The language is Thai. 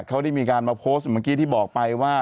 เขาได้มีการมาโพสต์เมื่อกี้ที่บอกไปว่า